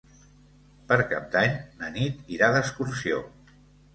Per Cap d'Any na Nit irà d'excursió.